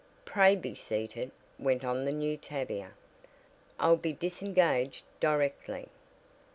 "Pray be seated," went on the new Tavia, "I'll be disengaged directly."